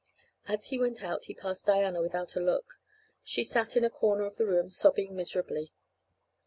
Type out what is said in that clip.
As he went out he passed Diana without a look. She sat in a corner of the room sobbing miserably.